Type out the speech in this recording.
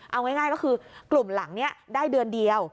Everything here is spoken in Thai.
เอาง่ายก็คือกลุ่มหลังนี้ได้เดือนเดียว